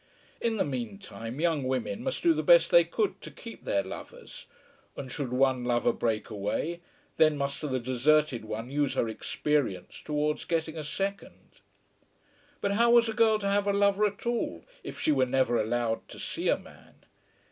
In the meantime young women must do the best they could to keep their lovers; and should one lover break away, then must the deserted one use her experience towards getting a second. But how was a girl to have a lover at all, if she were never allowed to see a man?